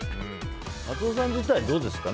松尾さん自体どうですか？